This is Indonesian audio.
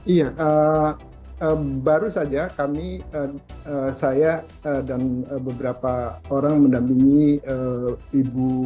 iya baru saja kami saya dan beberapa orang mendampingi ibu